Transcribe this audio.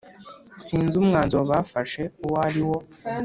sinzi umwanzuro bafashe uwariwo